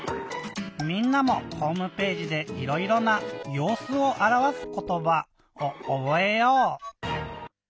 みんなもホームページでいろいろな「ようすをあらわすことば」をおぼえよう！